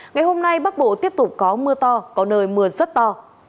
ngày hôm nay bắc bộ tiếp tục có mưa to có nơi mưa rất to